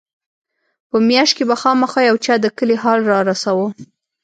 په مياشت کښې به خامخا يو چا د کلي حال رارساوه.